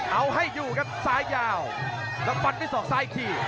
เอาให้อยู่ครับซ้ายยาวแล้วฟันด้วยศอกซ้ายอีกที